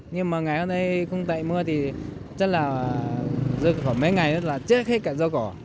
nhưng mà ngày hôm nay không tẩy mưa thì chắc là dưới khoảng mấy ngày là chết hết cả rau cỏ